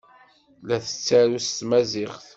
La tettaru s tmaziɣt.